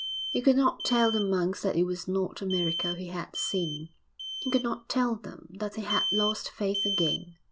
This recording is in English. He could not tell the monks that it was not a miracle he had seen; he could not tell them that he had lost faith again....